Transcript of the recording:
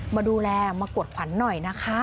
มาดูแลมากวดขวัญหน่อยนะคะ